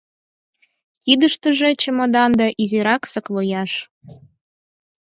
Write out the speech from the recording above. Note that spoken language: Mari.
Кидыштыже чемодан да изирак саквояж.